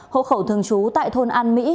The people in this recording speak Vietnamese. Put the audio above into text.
hộ khẩu thương chú tại thôn an mỹ